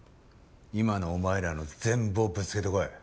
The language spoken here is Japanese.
今のお前らの全部をぶつけてこい。